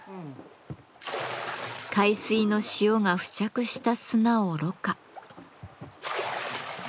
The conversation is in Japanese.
海水の塩が付着した砂をろ過。